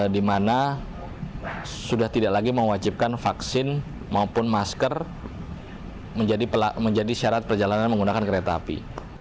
di mana sudah tidak lagi mewajibkan vaksin maupun masker menjadi syarat perjalanan menggunakan kereta api